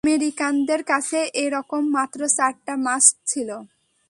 আমেরিকানদের কাছে এরকম মাত্র চারটা মাস্ক ছিল।